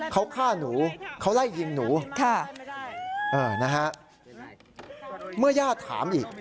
เขาฆ่าหนูเขาไล่ยิงหนูนะฮะเมื่อญาติถามอีก